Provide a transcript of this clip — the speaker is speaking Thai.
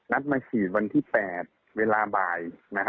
มาฉีดวันที่๘เวลาบ่าย